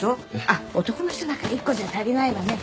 あっ男の人だから１個じゃ足りないわね。